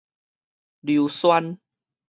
溜旋